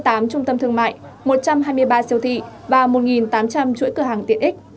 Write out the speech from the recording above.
hai mươi tám trung tâm thương mại một trăm hai mươi ba siêu thị và một tám trăm linh chuỗi cửa hàng tiện ích